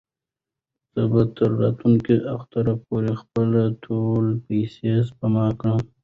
زه به تر راتلونکي اختر پورې خپلې ټولې پېسې سپما کړم.